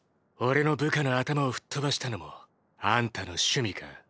俺の部下の頭をフッ飛ばしたのもあんたの趣味か？